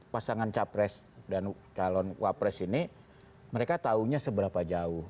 pasangan capres dan calon wapres ini mereka tahunya seberapa jauh